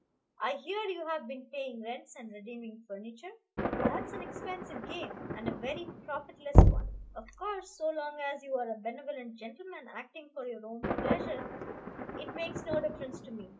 I hear you have been paying rents and redeeming furniture, that's an expensive game, and a very profitless one. Of course, so long as you are a benevolent gentleman acting for your own pleasure, it makes no difference to me.